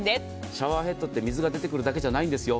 シャワーヘッドって水が出てくるだけじゃないんですよ。